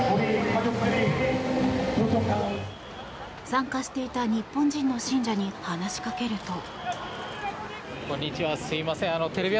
参加していた日本人の信者に話しかけると。